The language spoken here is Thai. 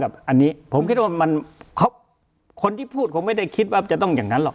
อันนี้ผมคิดว่าคนที่พูดคงไม่ได้คิดว่าจะต้องอย่างนั้นหรอก